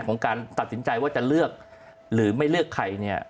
ของการตัดสินใจว่าจะเลือกหรือไม่เลือกใครเนี่ย